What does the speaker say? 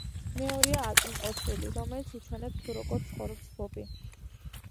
მეორეა აწმყოს სული, რომელიც უჩვენებს თუ როგორ ცხოვრობს ბობი.